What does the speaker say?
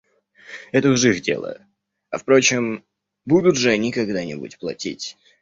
Это уж их дело, а впрочем, будут же они когда-нибудь платить.